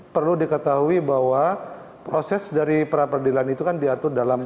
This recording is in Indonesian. perlu diketahui bahwa proses dari pra peradilan itu kan diatur dalam